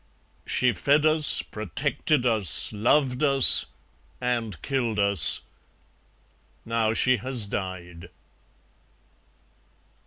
She fed us, protected us, loved us, and killed us; now She has died.